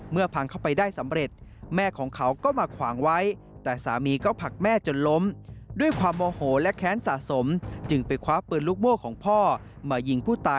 เมื่อพังเข้าไปได้สำเร็จแม่ของเขาก็มาขวางไว้